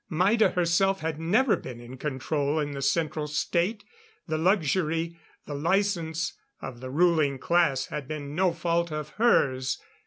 Maida herself had never been in control in the Central State. The luxury the license of the ruling class had been no fault of hers.